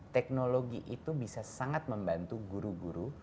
teknologi itu bisa sangat membantu guru guru